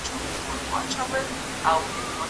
مصاهرت څه شی دی؟